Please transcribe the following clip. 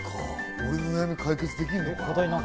俺の悩み解決できんのか？